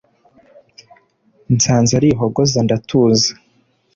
nsanze ari ihogoza ndatuza